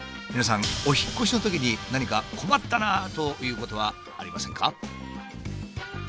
皆さんお引っ越しのときに何か困ったなあということはありませんか？